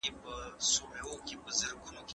هغه زده کوونکي چي مطالعه کوي هوښیار وي.